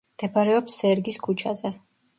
მდებარეობს სერგის ქუჩაზე.